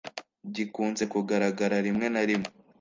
gikunze kugaragara rimwe na rimwe